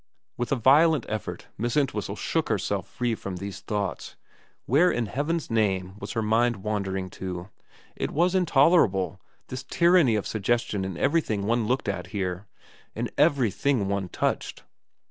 ... With a violent effort Miss Entwhistle shook herself free from these thoughts. Where in heaven's name was her mind wandering to ? It was intolerable, this tyranny of suggestion in everything one looked at here, in everything one touched.